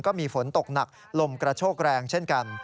ก็มีฝนตกหนักลมกระโชกแรงเช่นกัน